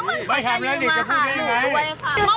เมื่อวานนี่มีพยานนี่มีพยานตอนแรกมันไม่ถามแล้วดิจะพูดได้ยังไง